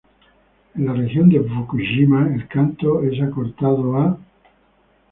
En la región de Fukushima, el canto es acortado a "鬼は外!